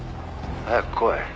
「早く来い。